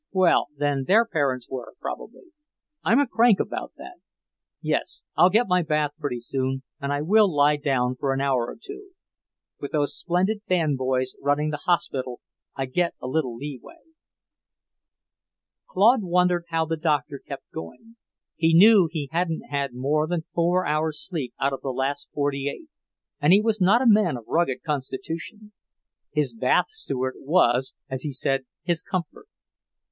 Well, then their parents were, probably. I'm a crank about that. Yes, I'll get my bath pretty soon, and I will lie down for an hour or two. With those splendid band boys running the hospital, I get a little lee way." Claude wondered how the Doctor kept going. He knew he hadn't had more than four hours sleep out of the last forty eight, and he was not a man of rugged constitution. His bath steward was, as he said, his comfort.